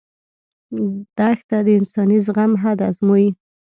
دښته د انساني زغم حد ازمويي.